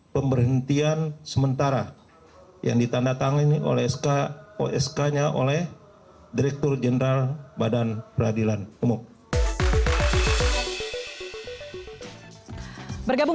pemberhentian sementara yang ditandatangani oleh sk osk nya oleh direktur jenderal badan peradilan umum